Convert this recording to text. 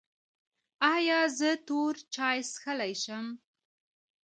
ایا زه تور چای څښلی شم؟